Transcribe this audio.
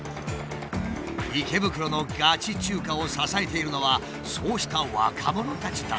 池袋のガチ中華を支えているのはそうした若者たちだった！？